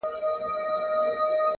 هوښیار انسان د خبرو وزن پېژني!.